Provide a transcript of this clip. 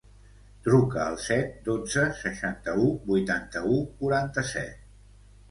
Truca al set, dotze, seixanta-u, vuitanta-u, quaranta-set.